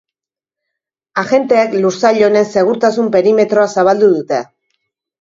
Agenteek lursail honen segurtasun perimetroa zabaldu dute.